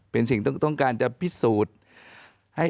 เป็นสิ่งต้องการจะพิสูจน์